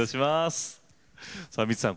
さあミッツさん